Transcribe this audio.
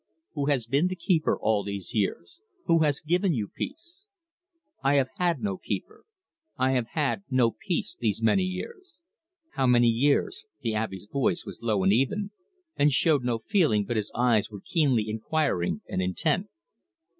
"Who has been the keeper all these years? Who has given you peace?" "I have had no keeper; I have had no peace these many years." "How many years?" The Abbe's voice was low and even, and showed no feeling, but his eyes were keenly inquiring and intent.